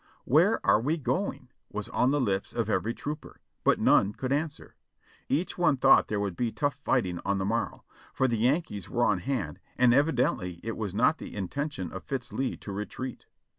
"Where are we going?" was on the lips of every trooper; but none could answer. Each one thought there would be tough fighting on the morrow, for the Yankees were on hand and evi dently it was not the intention of Fitz Lee to retreat.